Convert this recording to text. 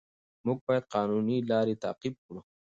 موږ باید قانوني لارې تعقیب کړو